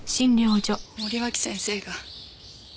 森脇先生が私を。